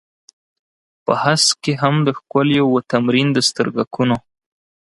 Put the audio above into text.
په هسک کې هم د ښکليو و تمرين د سترگکونو.